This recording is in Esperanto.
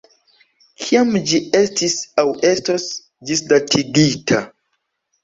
Kiam ĝi estis aŭ estos ĝisdatigita?